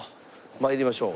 参りましょう。